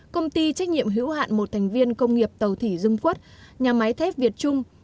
công ty trách nhiệm hữu hạn một thành viên công nghiệp tàu thủy dung quất nhà máy thép việt trung